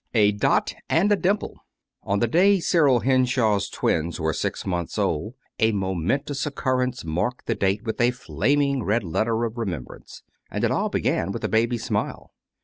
A DOT AND A DIMPLE On the day Cyril Henshaw's twins were six months old, a momentous occurrence marked the date with a flaming red letter of remembrance; and it all began with a baby's smile.